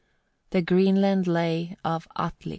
] THE GROENLAND LAY OF ATLI.